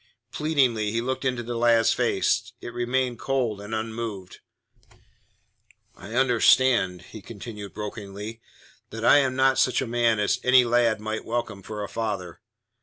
Pleadingly he looked into the lad's face. It remained cold and unmoved. "I understand," he continued brokenly, "that I am not such a man as any lad might welcome for a father.